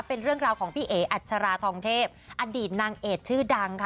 เป็นเรื่องราวของพี่เอ๋อัชราทองเทพอดีตนางเอกชื่อดังค่ะ